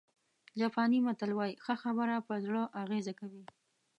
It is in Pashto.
جاپاني متل وایي ښه خبره په زړه اغېزه کوي.